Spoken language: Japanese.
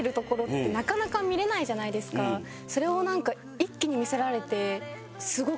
それをなんか一気に見せられて。